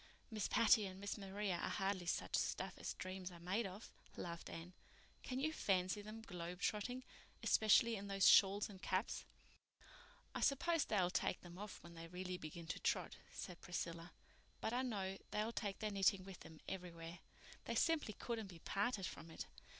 "Miss Patty and Miss Maria are hardly such stuff as dreams are made of," laughed Anne. "Can you fancy them 'globe trotting'—especially in those shawls and caps?" "I suppose they'll take them off when they really begin to trot," said Priscilla, "but I know they'll take their knitting with them everywhere. They simply couldn't be parted from it.